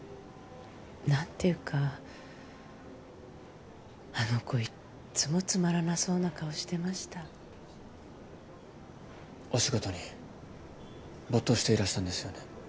何ていうかあの子いっつもつまらなそうな顔してましたお仕事に没頭していらしたんですよね？